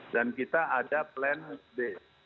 dan kita ada plan b